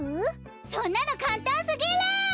そんなのかんたんすぎる！